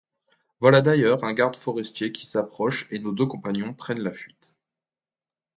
Voilà d'ailleurs un garde forestier qui s'approche et nos deux compagnons prennent la fuite.